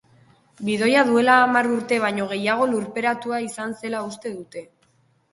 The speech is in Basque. Bidoia duela hamar urte baino gehiago lurperatua izan zela uste dute.